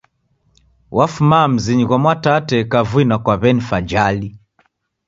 Wafuma mzi ghwa Mwatate kavui na kwa w'eni Fajali.